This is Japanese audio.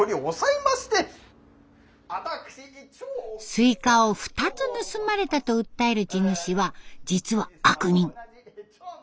スイカを２つ盗まれたと訴える地主は実は悪人。